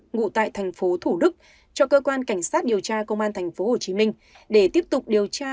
ngụ tại thành phố thủ đức cho cơ quan cảnh sát điều tra công an thành phố hồ chí minh để tiếp tục điều tra